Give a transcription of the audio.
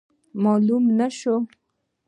معلومه نه سوه.